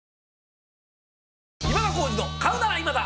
『今田耕司の買うならイマダ』。